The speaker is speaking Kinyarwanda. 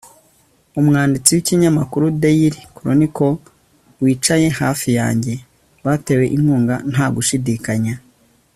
umwanditsi w'ikinyamakuru the daily chronicle, wicaye hafi yanjye. batewe inkunga, nta gushidikanya